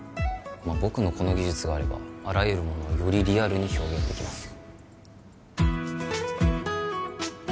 僕のこの技術があればあらゆるものをよりリアルに表現できます